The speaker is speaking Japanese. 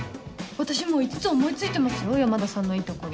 私もう５つ思い付いてますよ山田さんのいいところ。